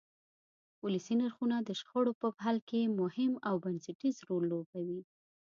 ولسي نرخونه د شخړو په حل کې مهم او بنسټیز رول لوبوي.